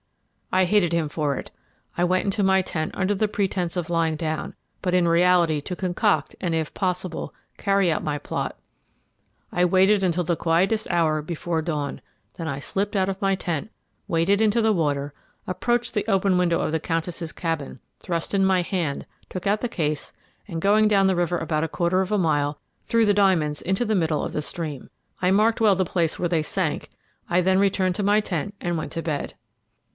I hated him for it. I went into my tent under the pretence of lying down, but in reality to concoct and, if possible, carry out my plot. I waited until the quietest hour before dawn, then I slipped out of my tent, waded into the water, approached the open window of the Countess's cabin, thrust in my hand, took out the case, and, going down the river about a quarter of a mile, threw the diamonds into the middle of the stream. I marked well the place where they sank; I then returned to my tent and went to bed.